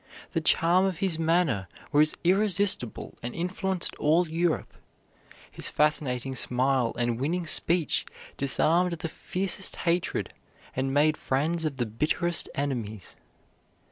The charm of his manner was irresistible and influenced all Europe. His fascinating smile and winning speech disarmed the fiercest hatred and made friends of the bitterest enemies.